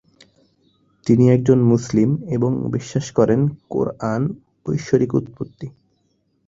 তিনি একজন মুসলিম এবং বিশ্বাস করেন কোরআন ঐশ্বরিক উৎপত্তি।